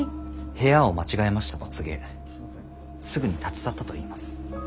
「部屋を間違えました」と告げすぐに立ち去ったといいます。